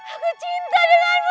aku cinta denganmu